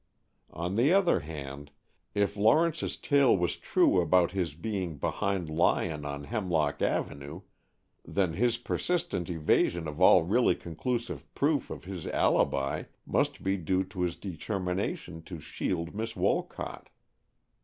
On the other hand, if Lawrence's tale was true about his being behind Lyon on Hemlock Avenue, then his persistent evasion of all really conclusive proof of his alibi must be due to his determination to shield Miss Wolcott.